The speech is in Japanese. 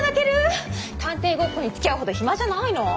探偵ごっこにつきあうほど暇じゃないの。